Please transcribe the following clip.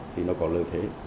thì nó có lợi thế